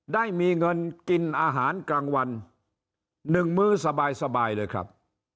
ได้มีเงินกินอาหารกลางวัน๑มื้อสบายเลยครับ